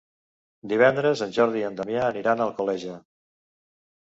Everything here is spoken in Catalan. Divendres en Jordi i en Damià aniran a Alcoleja.